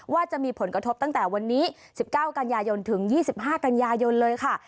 ว่าจะมีผลกระทบตั้งแต่วันนี้๑๙กันยายนถึง๒๕กันยายนเลยค่ะ